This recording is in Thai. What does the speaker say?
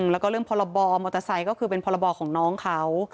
แล้วก็เรื่องพรบมอเตอร์ไซค์ก็คือเป็นพรบของน้องเขา